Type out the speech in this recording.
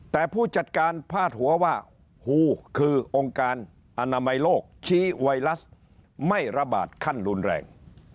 แต่ผู้จัดการพาดหัวว่าฮูคือองค์การอนามัยโลกชี้ไวรัสไม่ระบาดขั้นรุนแรง